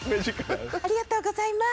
ありがとうございます。